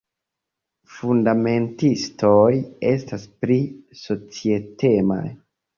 fundamentistoj estas pli societemaj.